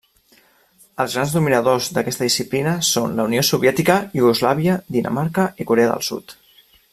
Els grans dominadors d'aquesta disciplina són la Unió Soviètica, Iugoslàvia, Dinamarca i Corea del Sud.